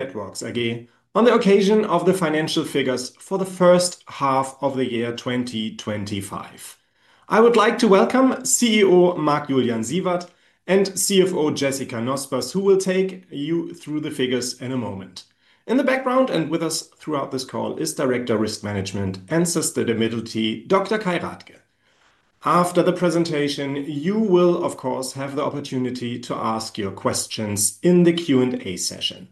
Networks again, on the occasion of the financial figures for the first half of the year 2025. I would like to welcome CEO Marc-Julian Siewert and CFO Jessica Nospers, who will take you through the figures in a moment. In the background and with us throughout this call is Director of Risk Management and Investor Relations, Dr. Kay Rathke. After the presentation, you will, of course, have the opportunity to ask your questions in the Q&A session.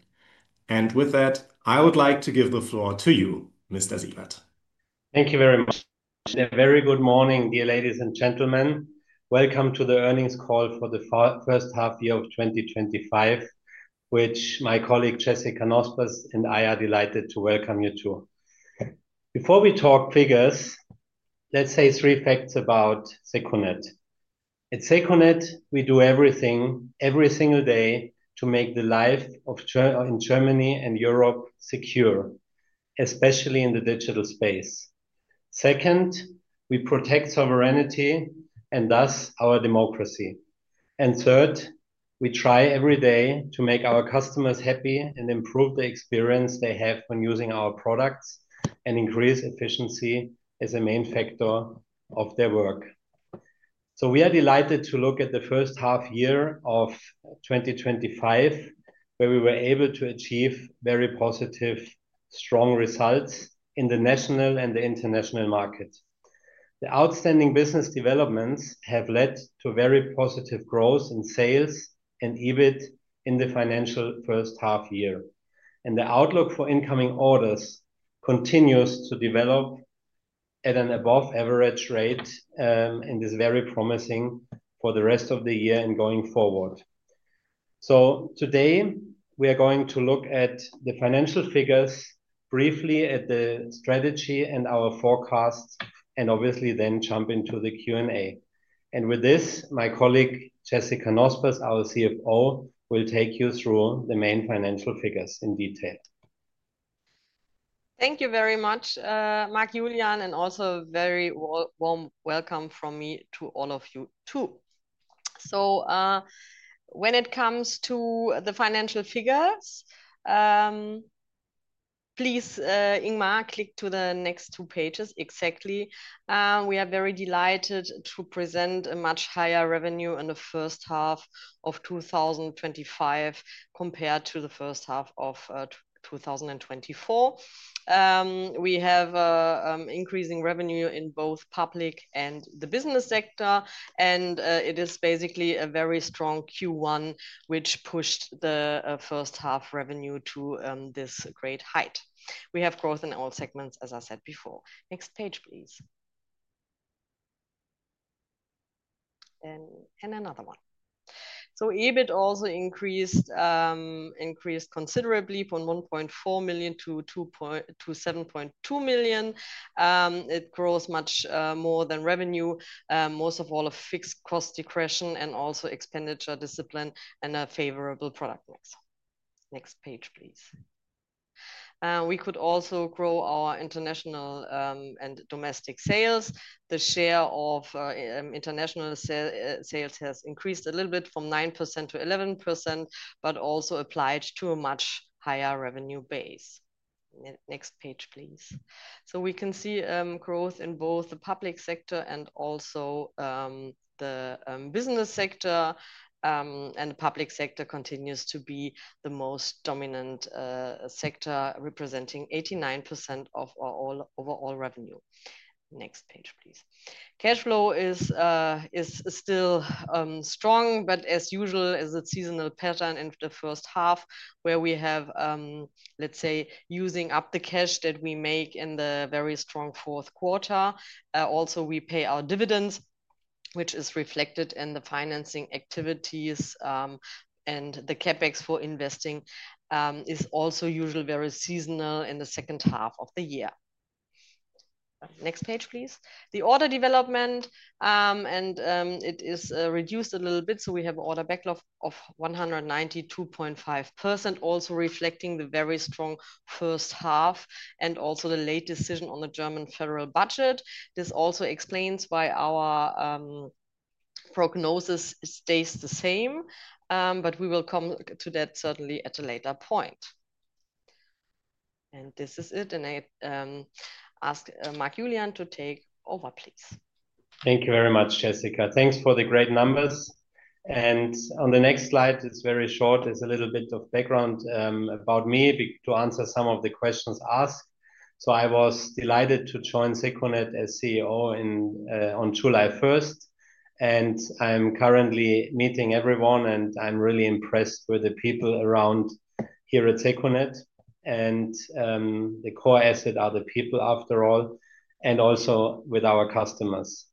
With that, I would like to give the floor to you, Mr. Siewert. Thank you very much. A very good morning, dear ladies and gentlemen. Welcome to the earnings call for the first half year of 2025, which my colleague Jessica Nospers and I are delighted to welcome you to. Before we talk figures, let's say three facts about secunet. At secunet, we do everything every single day to make the life in Germany and Europe secure, especially in the digital space. Second, we protect sovereignty and thus our democracy. Third, we try every day to make our customers happy and improve the experience they have when using our products and increase efficiency as a main factor of their work. We are delighted to look at the first half year of 2025, where we were able to achieve very positive, strong results in the national and the international market. The outstanding business developments have led to very positive growth in sales and EBIT in the financial first half year. The outlook for incoming orders continues to develop at an above-average rate and is very promising for the rest of the year and going forward. Today, we are going to look at the financial figures, briefly at the strategy and our forecasts, and obviously then jump into the Q&A. With this, my colleague Jessica Nospers, our CFO, will take you through the main financial figures in detail. Thank you very much, Marc-Julian, and also a very warm welcome from me to all of you too. When it comes to the financial figures, please, Ingmar, click to the next two pages exactly. We are very delighted to present a much higher revenue in the first half of 2025 compared to the first half of 2024. We have increasing revenue in both public and the business sector, and it is basically a very strong Q1, which pushed the first half revenue to this great height. We have growth in all segments, as I said before. Next page, please. And another one. EBIT also increased considerably from 1.4 million-7.2 million. It grows much more than revenue, most of all a fixed cost depression and also expenditure discipline and a favorable product mix. Next page, please. We could also grow our international and domestic sales. The share of international sales has increased a little bit from 9% to 11%, but also applied to a much higher revenue base. Next page, please. We can see growth in both the public sector and also the business sector, and the public sector continues to be the most dominant sector, representing 89% of our overall revenue. Next page, please. Cash flow is still strong, but as usual, as a seasonal pattern in the first half, where we have, let's say, using up the cash that we make in the very strong fourth quarter. We pay our dividends, which is reflected in the financing activities, and the CapEx for investing is also usually very seasonal in the second half of the year. Next page, please. The order development, and it is reduced a little bit, so we have an order backlog of [192.5 %], also reflecting the very strong first half and also the late decision on the German federal budget. This also explains why our prognosis stays the same, but we will come to that certainly at a later point. This is it, and I ask Marc-Julian to take over, please. Thank you very much, Jessica. Thanks for the great numbers. On the next slide, it's very short. There's a little bit of background about me to answer some of the questions asked. I was delighted to join secunet as CEO on July 1st, and I'm currently meeting everyone. I'm really impressed with the people around here at secunet. The core asset are the people, after all, and also with our customers.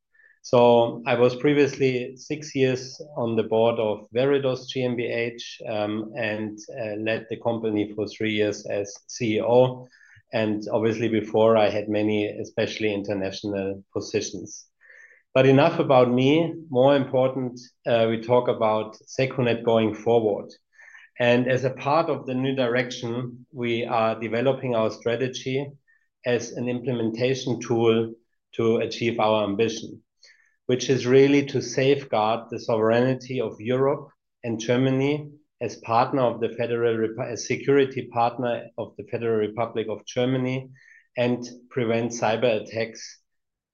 I was previously six years on the board of Veridos GmbH and led the company for three years as CEO. Obviously, before I had many, especially international positions. Enough about me. More important, we talk about secunet going forward. As a part of the new direction, we are developing our strategy as an implementation tool to achieve our ambition, which is really to safeguard the sovereignty of Europe and Germany as partner of the federal security partner of the Federal Republic of Germany and prevent cyber attacks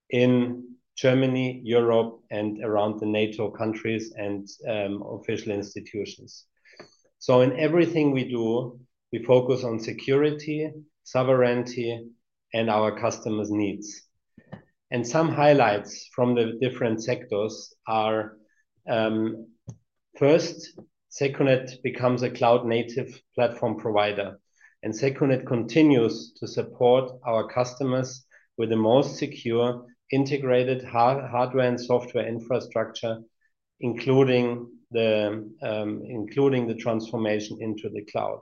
in Germany, Europe, and around the NATO countries and official institutions. In everything we do, we focus on security, sovereignty, and our customers' needs. Some highlights from the different sectors are: first, secunet becomes a cloud-native platform provider, and secunet continues to support our customers with the most secure integrated hardware and software infrastructure, including the transformation into the cloud.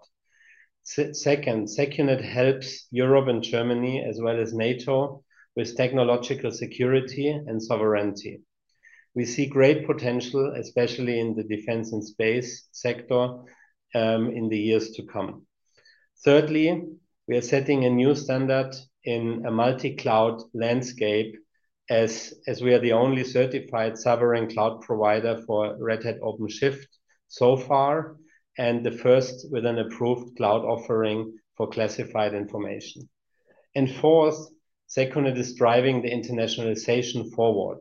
Second, secunet helps Europe and Germany, as well as NATO, with technological security and sovereignty. We see great potential, especially in the defense and space sector, in the years to come. Thirdly, we are setting a new standard in a multi-cloud landscape, as we are the only certified sovereign cloud provider for Red Hat OpenShift so far, and the first with an approved cloud offering for classified information. Fourth, secunet is driving the internationalization forward.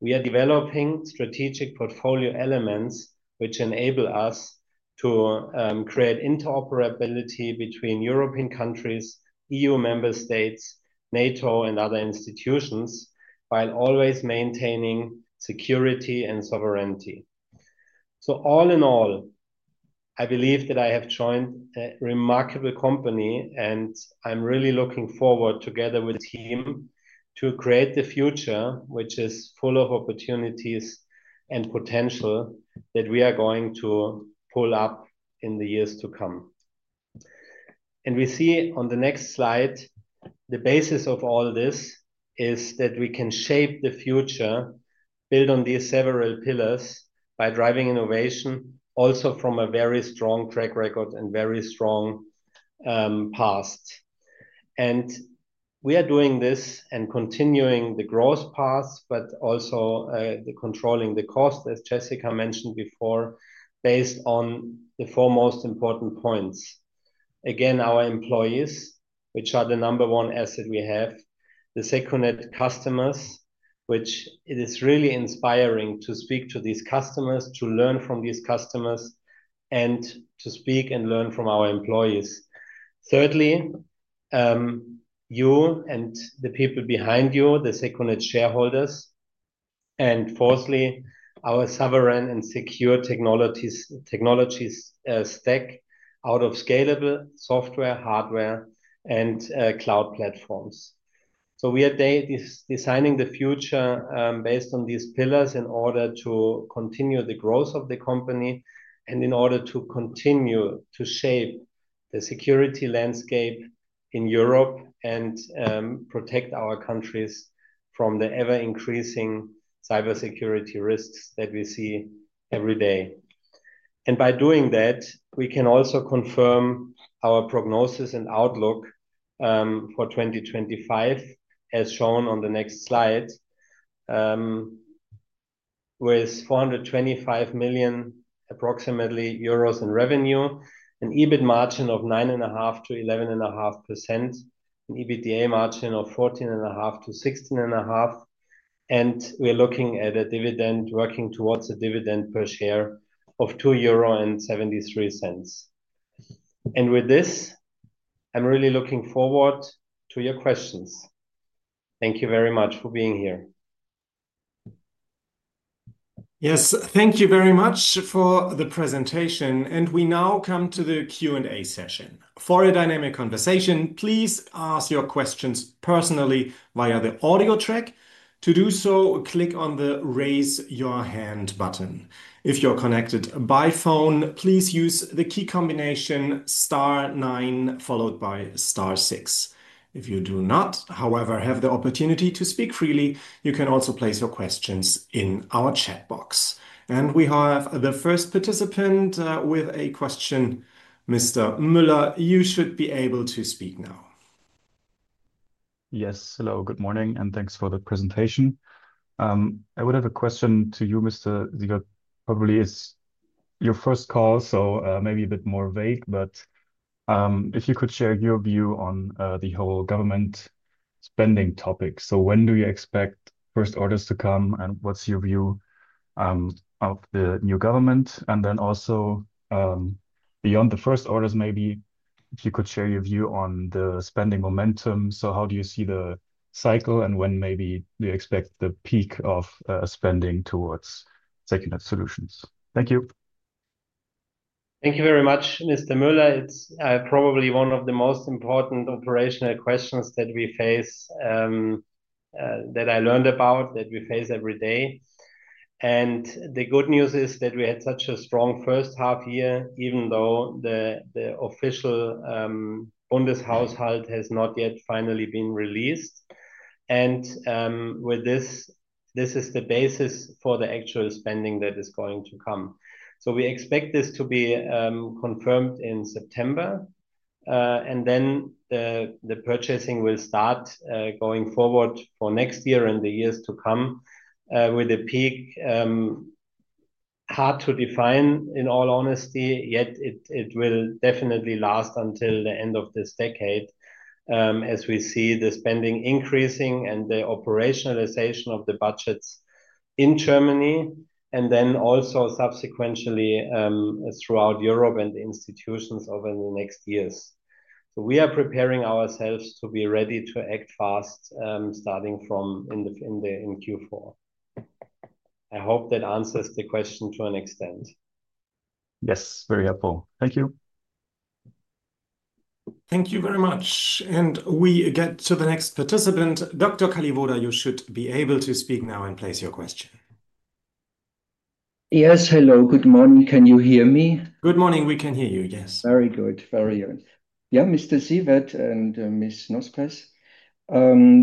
We are developing strategic portfolio elements which enable us to create interoperability between European countries, EU member states, NATO, and other institutions, while always maintaining security and sovereignty. All in all, I believe that I have joined a remarkable company, and I'm really looking forward, together with him, to create the future which is full of opportunities and potential that we are going to pull up in the years to come. We see on the next slide, the basis of all this is that we can shape the future, build on these several pillars by driving innovation, also from a very strong track record and very strong past. We are doing this and continuing the growth paths, but also controlling the cost, as Jessica mentioned before, based on the four most important points. Again, our employees, which are the number one asset we have, the secunet customers, which it is really inspiring to speak to these customers, to learn from these customers, and to speak and learn from our employees. Thirdly, you and the people behind you, the secunet shareholders. Fourthly, our sovereign and secure technologies stack out of scalable software, hardware, and cloud platforms. We are designing the future based on these pillars in order to continue the growth of the company and in order to continue to shape the security landscape in Europe and protect our countries from the ever-increasing cybersecurity risks that we see every day. By doing that, we can also confirm our prognosis and outlook for 2025, as shown on the next slide, with approximately EUR 425 million in revenue, an EBIT margin of 9.5%-11.5%, an EBITDA margin of 14.5%-16.5%, and we're looking at a dividend working towards a dividend per share of 2.73 euro. With this, I'm really looking forward to your questions. Thank you very much for being here. Yes, thank you very much for the presentation. We now come to the Q&A session. For a dynamic conversation, please ask your questions personally via the audio track. To do so, click on the Raise Your Hand button. If you're connected by phone, please use the key combination *9 followed by *6. If you do not, however, have the opportunity to speak freely, you can also place your questions in our chat box. We have the first participant with a question. Mr. Müller, you should be able to speak now. Yes, hello, good morning, and thanks for the presentation. I would have a question to you, Mr. Siewert. Probably it's your first call, so maybe a bit more vague, but if you could share your view on the whole government spending topic. When do you expect first orders to come, and what's your view of the new government? Also, beyond the first orders, maybe if you could share your view on the spending momentum. How do you see the cycle, and when maybe do you expect the peak of spending towards secunet solutions? Thank you. Thank you very much, Mr. Müller. It's probably one of the most important operational questions that we face, that I learned about, that we face every day. The good news is that we had such a strong first half year, even though the official Bundeshaushalt has not yet finally been released. This is the basis for the actual spending that is going to come. We expect this to be confirmed in September, and the purchasing will start going forward for next year and the years to come, with a peak hard to define, in all honesty, yet it will definitely last until the end of this decade, as we see the spending increasing and the operationalization of the budgets in Germany, and then also subsequentially throughout Europe and the institutions over the next years. We are preparing ourselves to be ready to act fast, starting from in Q4. I hope that answers the question to an extent. Yes, very helpful. Thank you. Thank you very much. We get to the next participant. Dr. Kalliwoda, you should be able to speak now and place your question. Yes, hello, good morning. Can you hear me? Good morning. We can hear you, yes. Very good, very good. Yeah, Mr. Siewert and Ms. Nospers,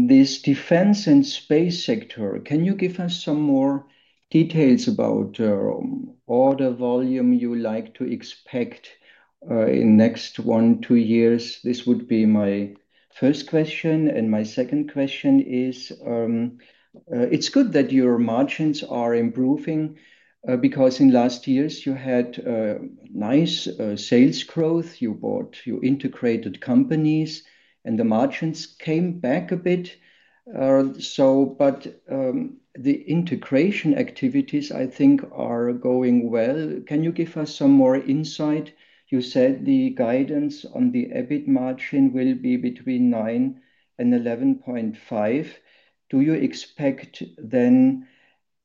this defense and space sector, can you give us some more details about the order volume you like to expect in the next one, two years? This would be my first question. My second question is, it's good that your margins are improving because in the last years, you had nice sales growth. You bought, you integrated companies, and the margins came back a bit. The integration activities, I think, are going well. Can you give us some more insight? You said the guidance on the EBIT margin will be between 9% and 11.5%. Do you expect then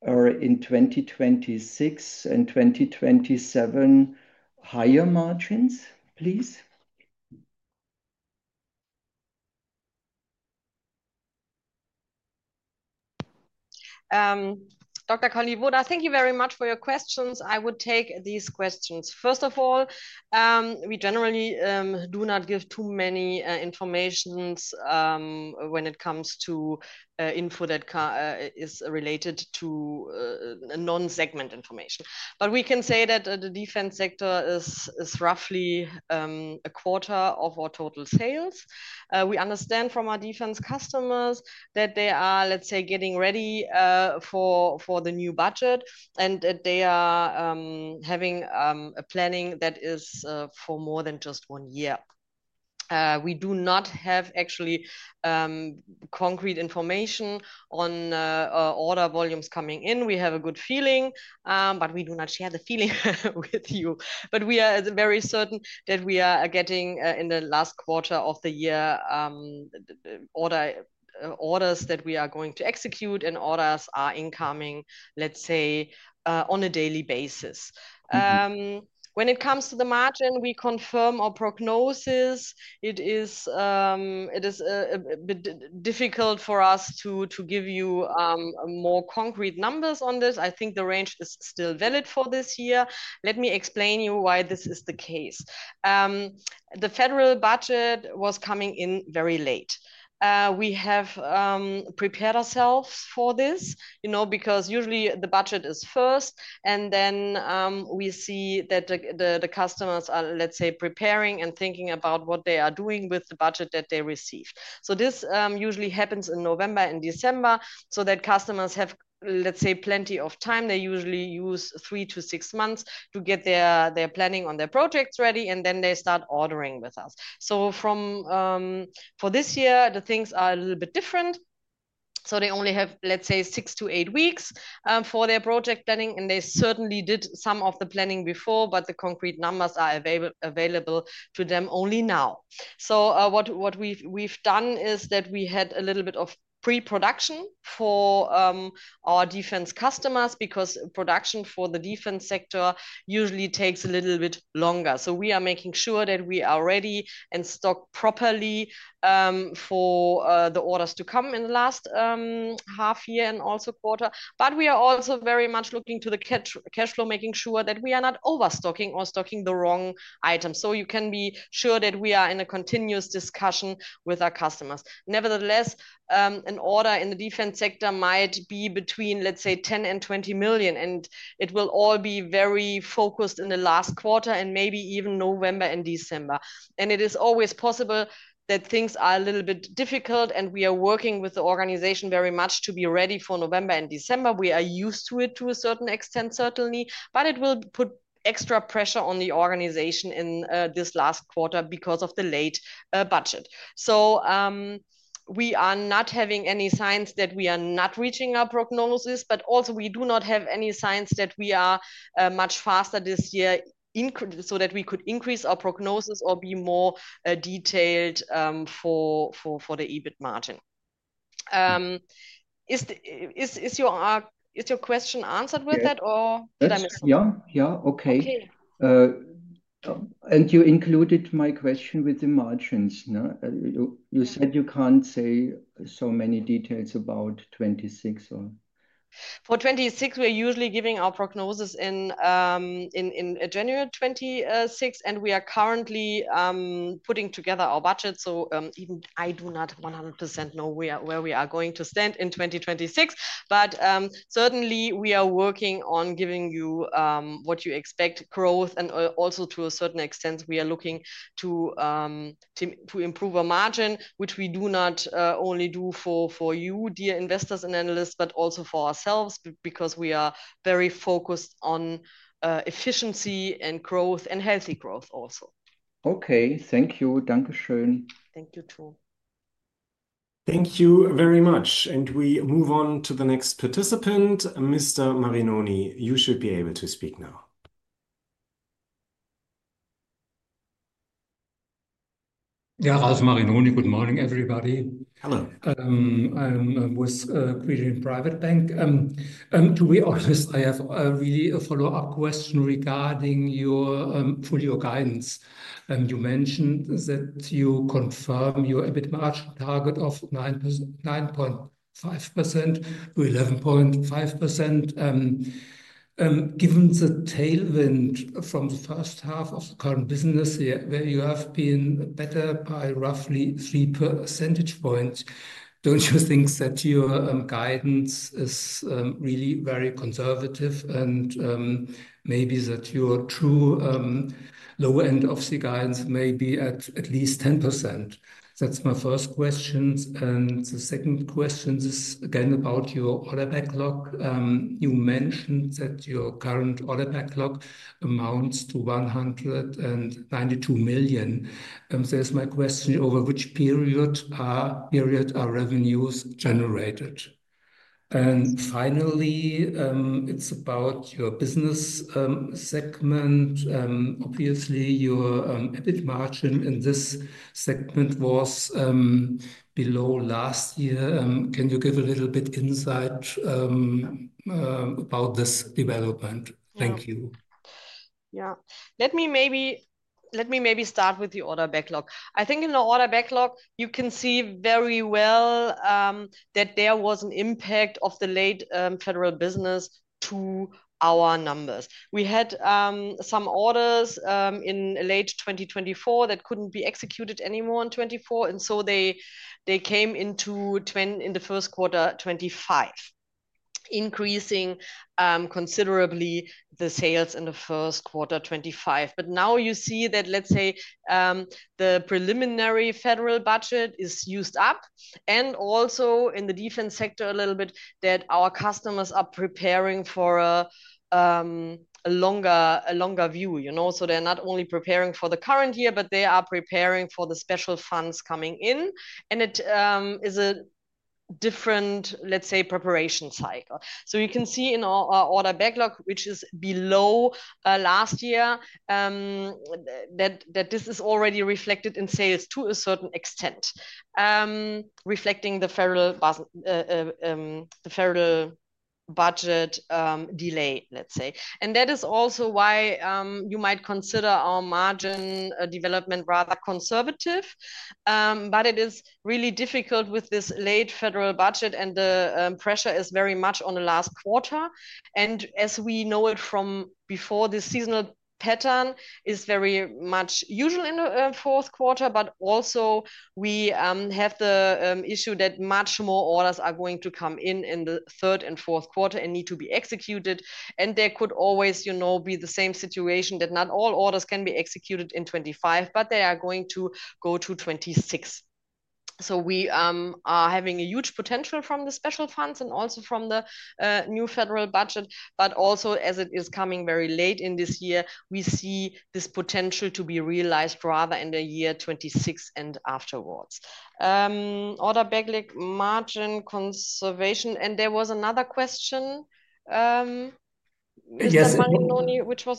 in 2026 and 2027 higher margins, please? Dr. Kalliwoda, thank you very much for your questions. I would take these questions. First of all, we generally do not give too many informations when it comes to info that is related to non-segment information. We can say that the defense sector is roughly a 1/4 of our total sales. We understand from our defense customers that they are, let's say, getting ready for the new budget and that they are having a planning that is for more than just one year. We do not have actually concrete information on order volumes coming in. We have a good feeling, but we do not share the feeling with you. We are very certain that we are getting in the last quarter of the year orders that we are going to execute, and orders are incoming, let's say, on a daily basis. When it comes to the margin, we confirm our prognosis. It is a bit difficult for us to give you more concrete numbers on this. I think the range is still valid for this year. Let me explain to you why this is the case. The federal budget was coming in very late. We have prepared ourselves for this, you know, because usually the budget is first, and then we see that the customers are, let's say, preparing and thinking about what they are doing with the budget that they receive. This usually happens in November and December so that customers have, let's say, plenty of time. They usually use three to six months to get their planning on their projects ready, and then they start ordering with us. For this year, the things are a little bit different. They only have, let's say, six to eight weeks for their project planning, and they certainly did some of the planning before, but the concrete numbers are available to them only now. What we've done is that we had a little bit of pre-production for our defense customers because production for the defense sector usually takes a little bit longer. We are making sure that we are ready and stocked properly for the orders to come in the last half year and also quarter. We are also very much looking to the cash flow, making sure that we are not overstocking or stocking the wrong items. You can be sure that we are in a continuous discussion with our customers. Nevertheless, an order in the defense sector might be between, let's say, 10 million and 20 million, and it will all be very focused in the last quarter and maybe even November and December. It is always possible that things are a little bit difficult, and we are working with the organization very much to be ready for November and December. We are used to it to a certain extent, certainly, but it will put extra pressure on the organization in this last quarter because of the late budget. We are not having any signs that we are not reaching our prognosis, but also we do not have any signs that we are much faster this year so that we could increase our prognosis or be more detailed for the EBIT margin. Is your question answered with that, or did I miss something? Okay. You included my question with the margins. You said you can't say so many details about 2026, or? For 2026, we are usually giving our prognosis in January 2026, and we are currently putting together our budget. Even I do not 100% know where we are going to stand in 2026. Certainly, we are working on giving you what you expect, growth, and also to a certain extent, we are looking to improve our margin, which we do not only do for you, dear investors and analysts, but also for ourselves because we are very focused on efficiency and growth and healthy growth also. Okay, thank you. Danke schön. Thank you, too. Thank you very much. We move on to the next participant. Mr. Marinoni, you should be able to speak now. Good morning, everybody. Hello. I'm with a Swedish private bank. To be honest, I have really followed up a question regarding your guidance. You mentioned that you confirm your EBIT margin target of 9.5%-11.5%. Given the tailwind from the first half of the current business, where you have been better by roughly 3 percentage points, don't you think that your guidance is really very conservative and maybe that your true low-end off-season guidance may be at at least 10%? That's my first question. The second question is again about your order backlog. You mentioned that your current order backlog amounts to 192 million. That's my question. Over which period are revenues generated? Finally, it's about your business segment. Obviously, your EBIT margin in this segment was below last year. Can you give a little bit of insight about this development? Thank you. Yeah. Let me maybe start with the order backlog. I think in the order backlog, you can see very well that there was an impact of the late federal business to our numbers. We had some orders in late 2024 that couldn't be executed anymore in 2024, and they came into the first quarter 2025, increasing considerably the sales in the first quarter 2025. Now you see that, let's say, the preliminary federal budget is used up, and also in the defense sector a little bit, that our customers are preparing for a longer view. You know, they're not only preparing for the current year, but they are preparing for the special funds coming in. It is a different, let's say, preparation cycle. You can see in our order backlog, which is below last year, that this is already reflected in sales to a certain extent, reflecting the federal budget delay, let's say. That is also why you might consider our margin development rather conservative. It is really difficult with this late federal budget, and the pressure is very much on the last quarter. As we know it from before, the seasonal pattern is very much usual in the fourth quarter, but also we have the issue that much more orders are going to come in in the third and fourth quarter and need to be executed. There could always, you know, be the same situation that not all orders can be executed in 2025, but they are going to go to 2026. We are having a huge potential from the special funds and also from the new federal budget, but also as it is coming very late in this year, we see this potential to be realized rather in the year 2026 and afterwards. Order backlog margin conservatism. There was another question. Mr. Marinoni, which was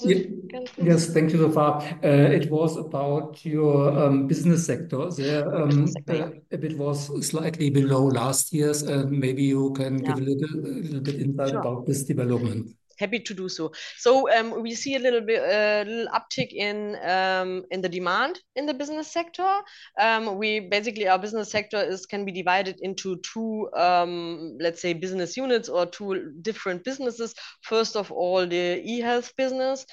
it? Yes, thank you so far. It was about your business sector. The EBIT was slightly below last year's. Maybe you can give a little bit of insight about this development. Happy to do so. We see a little bit of an uptick in the demand in the business sector. Basically, our business sector can be divided into two, let's say, business units or two different businesses. First of all, the e-health business,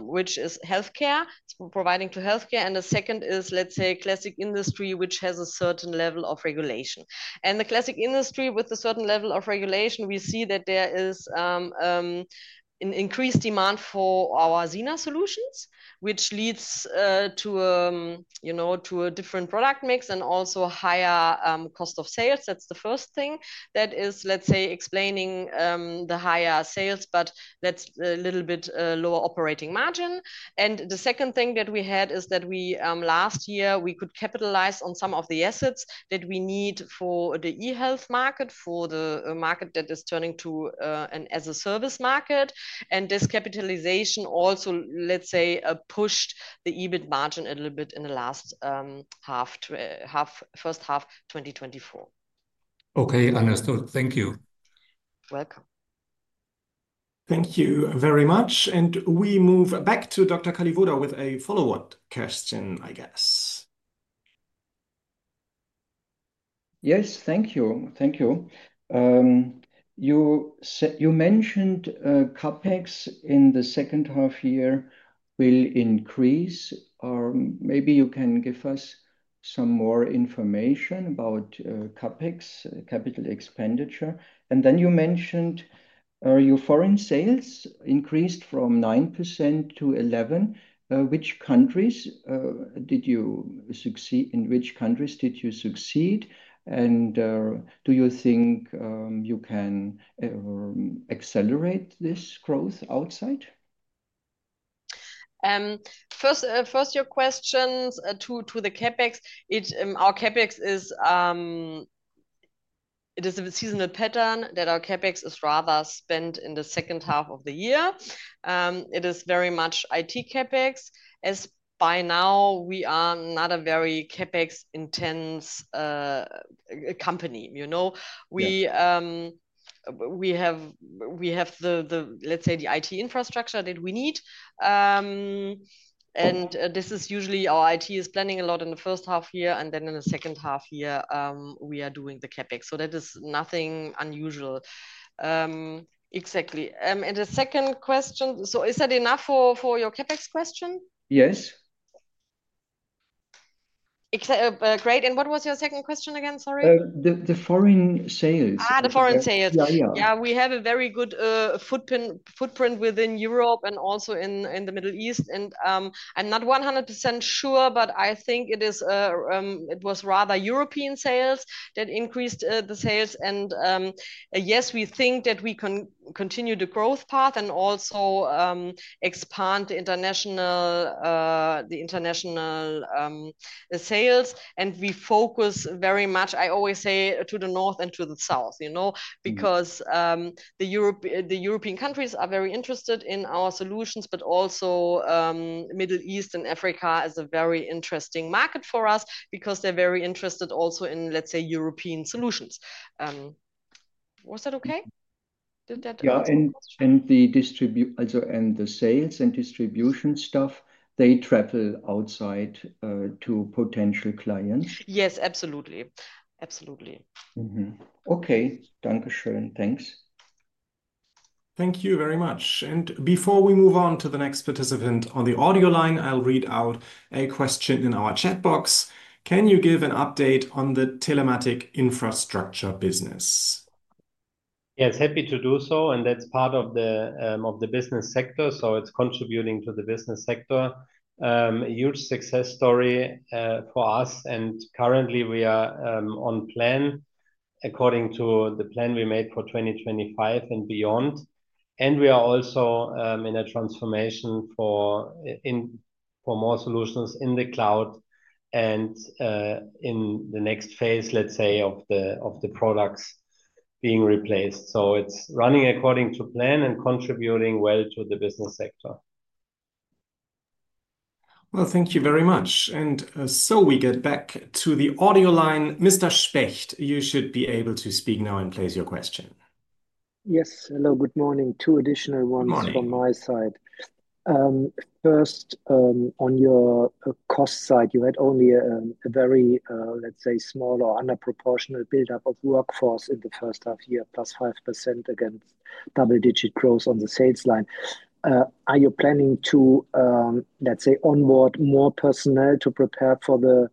which is healthcare, providing to healthcare. The second is, let's say, classic industry, which has a certain level of regulation. In the classic industry with a certain level of regulation, we see that there is an increased demand for our [SINA] solutions, which leads to a different product mix and also a higher cost of sales. That's the first thing that is, let's say, explaining the higher sales, but that's a little bit lower operating margin. The second thing that we had is that last year, we could capitalize on some of the assets that we need for the e-health market, for the market that is turning to an as-a-service market. This capitalization also, let's say, pushed the EBIT margin a little bit in the last half, first half 2024. Okay, understood. Thank you. Welcome. Thank you very much. We move back to Dr. Kalliwoda with a follow-up question, I guess. Yes, thank you. You mentioned CapEx in the second half year will increase. Maybe you can give us some more information about CapEx, capital expenditure. You mentioned your foreign sales increased from 9% to 11%. Which countries did you succeed? Do you think you can accelerate this growth outside? First, your questions to the CapEx. Our CapEx is a seasonal pattern that our CapEx is rather spent in the second half of the year. It is very much IT CapEx, as by now we are not a very CapEx-intense company. You know, we have the, let's say, the IT infrastructure that we need. This is usually our IT is planning a lot in the first half year, and then in the second half year, we are doing the CapEx. That is nothing unusual. Exactly. The second question, is that enough for your CapEx question? Yes. Great. What was your second question again? Sorry. The foreign sales. The foreign sales. Yeah, yeah. We have a very good footprint within Europe and also in the Middle East. I'm not 100% sure, but I think it was rather European sales that increased the sales. We think that we can continue the growth path and also expand the international sales. We focus very much, I always say, to the north and to the south, you know, because the European countries are very interested in our solutions, but also the Middle East and Africa is a very interesting market for us because they're very interested also in, let's say, European solutions. Was that okay? Yeah, the sales and distribution staff, they travel outside to potential clients? Yes, absolutely. Absolutely. Okay. Danke schön. Thanks. Thank you very much. Before we move on to the next participant on the audio line, I'll read out a question in our chat box. Can you give an update on the telematics infrastructure business? Yes, happy to do so. That is part of the business sector, so it is contributing to the business sector. A huge success story for us. Currently, we are on plan according to the plan we made for 2025 and beyond. We are also in a transformation for more solutions in the cloud and in the next phase, let's say, of the products being replaced. It is running according to plan and contributing well to the business sector. Thank you very much. We get back to the audio line. Mr. Specht, you should be able to speak now and place your question. Yes. Hello, good morning. Two additional ones from my side. First, on your cost side, you had only a very, let's say, small or underproportional buildup of workforce in the first half year, +5% against double-digit growth on the sales line. Are you planning to, let's say, onboard more personnel to prepare for the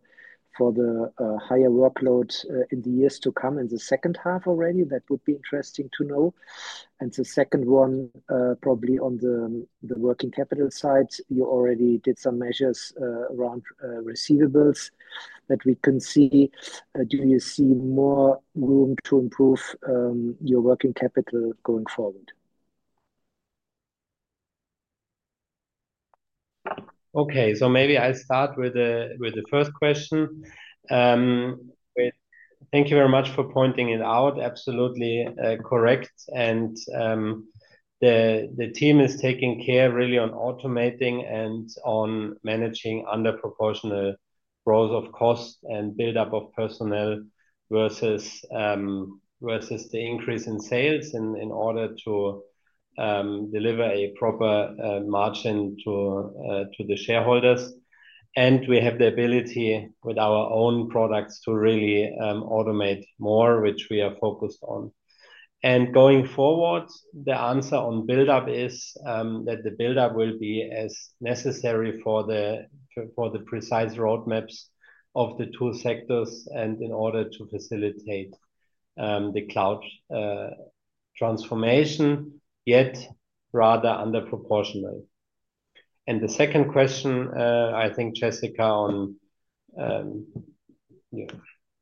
higher workload in the years to come in the second half already? That would be interesting to know. The second one, probably on the working capital side, you already did some measures around receivables that we can see. Do you see more room to improve your working capital going forward? Okay. Maybe I'll start with the first question. Thank you very much for pointing it out. Absolutely correct. The team is taking care really on automating and on managing underproportional growth of cost and buildup of personnel versus the increase in sales in order to deliver a proper margin to the shareholders. We have the ability with our own products to really automate more, which we are focused on. Going forward, the answer on buildup is that the buildup will be as necessary for the precise roadmaps of the two sectors and in order to facilitate the cloud transformation, yet rather underproportional. The second question, I think, Jessica, on.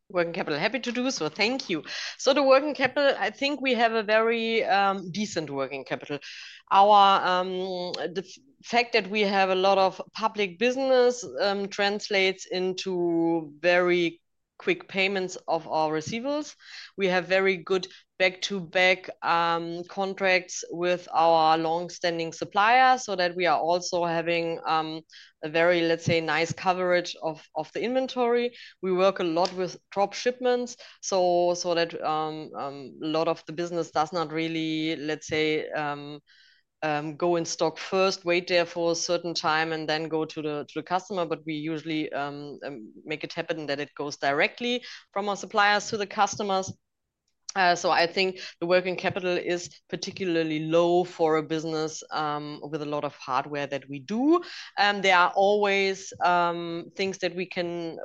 Working capital. Happy to do so. Thank you. The working capital, I think we have a very decent working capital. The fact that we have a lot of public business translates into very quick payments of our receivables. We have very good back-to-back contracts with our long-standing suppliers, so that we are also having a very, let's say, nice coverage of the inventory. We work a lot with drop-shipment logistics, so that a lot of the business does not really, let's say, go in stock first, wait there for a certain time, and then go to the customer. We usually make it happen that it goes directly from our suppliers to the customers. I think the working capital is particularly low for a business with a lot of hardware that we do. There are always things that we can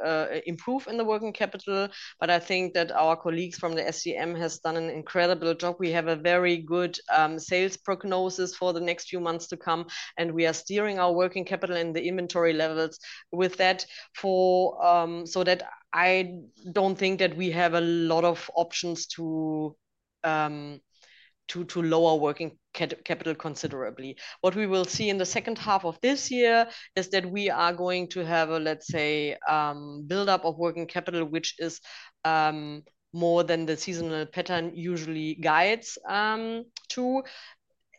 improve in the working capital. I think that our colleagues from the [SCM] have done an incredible job. We have a very good sales prognosis for the next few months to come, and we are steering our working capital and the inventory levels with that, so that I don't think that we have a lot of options to lower working capital considerably. What we will see in the second half of this year is that we are going to have a, let's say, buildup of working capital, which is more than the seasonal pattern usually guides to.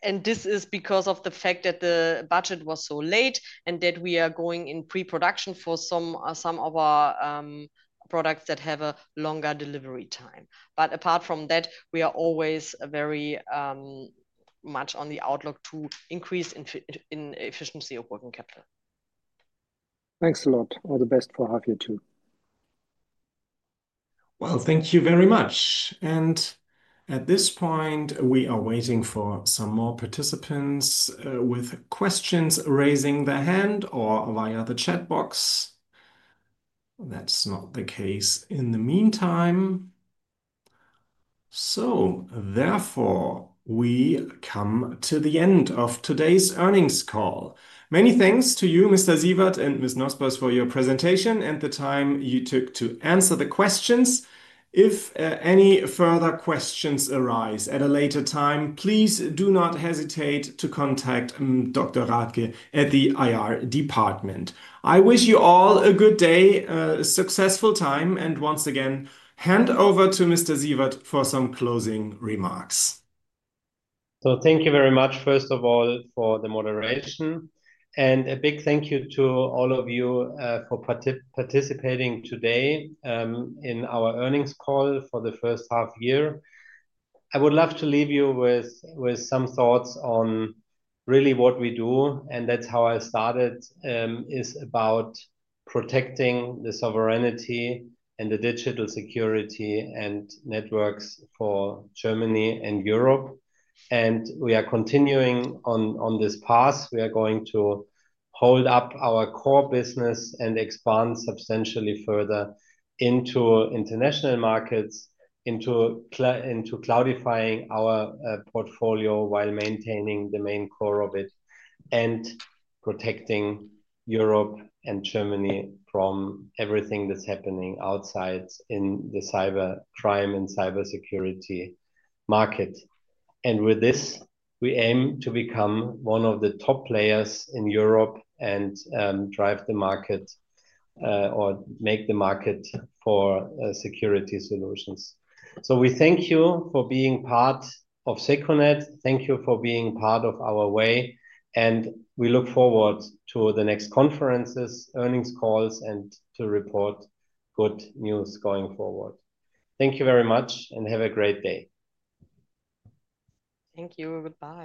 This is because of the fact that the budget was so late and that we are going in pre-production for some of our products that have a longer delivery time. Apart from that, we are always very much on the outlook to increase in efficiency of working capital. Thanks a lot. All the best for half year two. Thank you very much. At this point, we are waiting for some more participants with questions raising their hand or via the chat box. That's not the case in the meantime. Therefore, we come to the end of today's earnings call. Many thanks to you, Mr. Siewert and Ms. Nospers, for your presentation and the time you took to answer the questions. If any further questions arise at a later time, please do not hesitate to contact Dr. Rathke at the IR department. I wish you all a good day, a successful time, and once again, hand over to Mr. Siewert for some closing remarks. Thank you very much, first of all, for the moderation. A big thank you to all of you for participating today in our earnings call for the first half year. I would love to leave you with some thoughts on really what we do, and that's how I started, is about protecting the sovereignty and the digital security and networks for Germany and Europe. We are continuing on this path. We are going to hold up our core business and expand substantially further into international markets, into cloudifying our portfolio while maintaining the main core of it and protecting Europe and Germany from everything that's happening outside in the cybercrime and cybersecurity market. With this, we aim to become one of the top players in Europe and drive the market or make the market for security solutions. We thank you for being part of secunet. Thank you for being part of our way. We look forward to the next conferences, earnings calls, and to report good news going forward. Thank you very much and have a great day. Thank you. Goodbye.